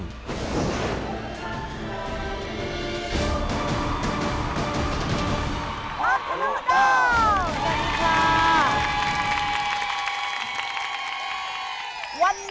พร้อมทุกคนเราสวัสดีครับ